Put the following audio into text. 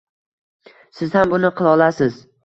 Siz ham buni qila olasiz.